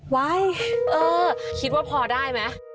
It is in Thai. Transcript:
ไว้เออคิดว่าพอได้ไหม